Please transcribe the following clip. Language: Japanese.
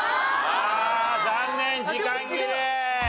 あ残念時間切れ。